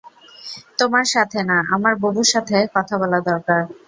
তোমার সাথে না, আমার বুবুর সাথে কথা বলা দরকার।